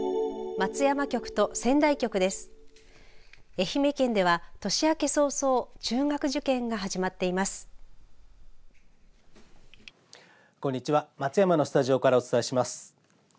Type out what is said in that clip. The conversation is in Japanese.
松山のスタジオからお伝えします。